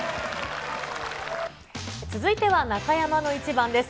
続いては中山のイチバンです。